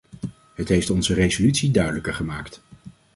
Het heeft onze resolutie duidelijker gemaakt.